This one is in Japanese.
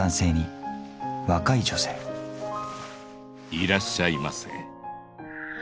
いらっしゃいませ。